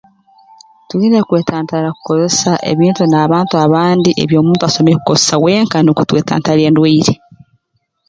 Twine kwetantara kukozesa ebintu n'abantu abandi ebi omuntu asemeriire kukozesa wenka nukwo twetantale endwaire